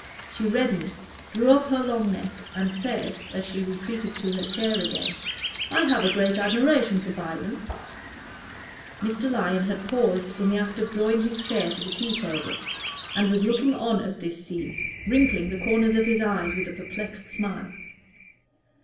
She reddened, drew up her long neck, and said, as she retreated to her chair again "I have a great admiration for Byron." Mr. Lyon had paused in the act of drawing his chair to the tea table, and was looking on at this scene, wrinkling the corners of his eyes with a perplexed smile.